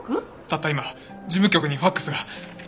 たった今事務局にファクスが。